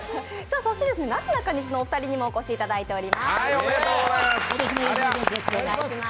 そして、なすなかにしのお二人にもお越しいただいてます。